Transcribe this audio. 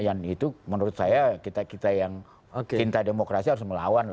yang itu menurut saya kita kita yang cinta demokrasi harus melawan